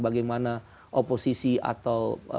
bagaimana oposisi atau